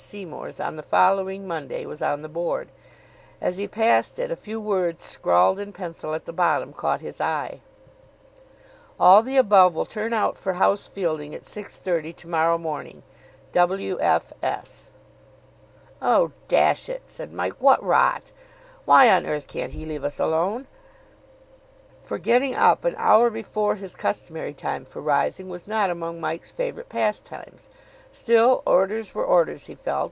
Seymour's on the following Monday was on the board. As he passed it, a few words scrawled in pencil at the bottom caught his eye. "All the above will turn out for house fielding at 6.30 to morrow morning. W. F. S." "Oh, dash it," said Mike, "what rot! Why on earth can't he leave us alone!" For getting up an hour before his customary time for rising was not among Mike's favourite pastimes. Still, orders were orders, he felt.